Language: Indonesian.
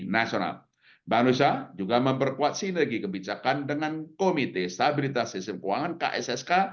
nasional bank indonesia juga memperkuat sinergi kebijakan dengan komite stabilitas sistem keuangan kssk